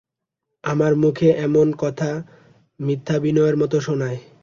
আমার মুখে এমন কথা মিথ্যা বিনয়ের মতো শোনায়।